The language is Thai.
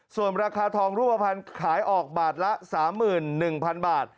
ส่วนราคาทองรูปภัณฑ์ขายออกบาทละ๓๑๐๐๐บาท